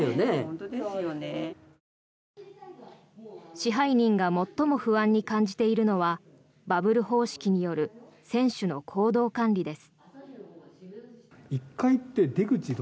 支配人が最も不安に感じているのはバブル方式による選手の行動管理です。